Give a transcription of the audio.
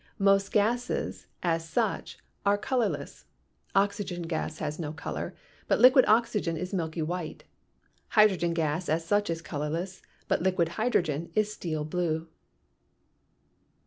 Most gases as such are col orless ; oxygen gas has no color, but liquid oxygen is milky white ; hydrogen gas as such is colorless, but liquid hydro gen is steel blue.